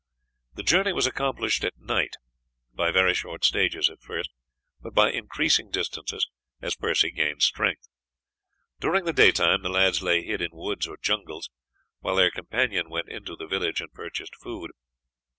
The journey was accomplished at night, by very short stages at first, but by increasing distances as Percy gained strength. During the daytime the lads lay hid in woods or jungles, while their companion went into the village and purchased food.